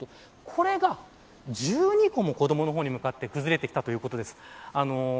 これが１２個も子どもの方に向かって崩れてきたということです。